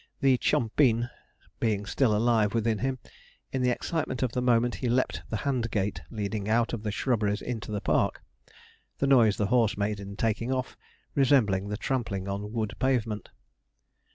The 'chumpine' being still alive within him, in the excitement of the moment he leaped the hand gate leading out of the shrubberies into the park; the noise the horse made in taking off resembling the trampling on wood pavement.